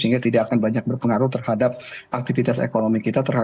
sehingga tidak akan banyak berpengaruh terhadap aktivitas ekonomi kita